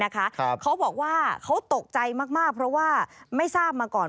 เขาบอกว่าเขาตกใจมากเพราะว่าไม่ทราบมาก่อน